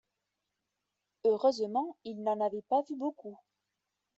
Heureusement, il n’en avait pas vu beaucoup.